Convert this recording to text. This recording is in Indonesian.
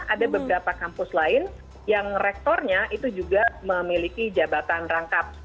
ada beberapa kampus lain yang rektornya itu juga memiliki jabatan rangkap